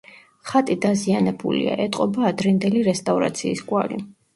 ხატი დაზიანებულია, ეტყობა ადრინდელი რესტავრაციის კვალი.